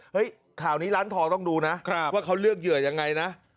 ข่าวนี้ร้านทองต้องดูนะว่าเขาเลือกเหยื่อยังไงนะ